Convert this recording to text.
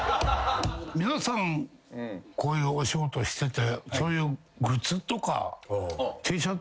皆さんこういうお仕事してて。